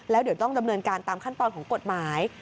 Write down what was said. แล้วเดี๋ยวต้องดำเนินการตามขั้นตอนของกฎหมาย